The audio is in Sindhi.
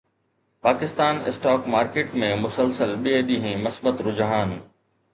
پاڪستان اسٽاڪ مارڪيٽ ۾ مسلسل ٻئي ڏينهن مثبت رجحان